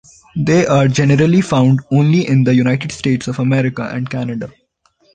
They are generally found only in the United States of America and Canada.